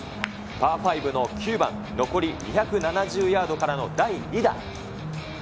パー５の９番、残り２７０ヤードからの第２打。